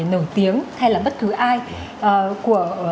nổi tiếng hay là bất cứ ai của